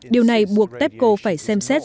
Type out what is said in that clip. điều này buộc tepco phải xem xét